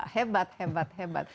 hebat hebat hebat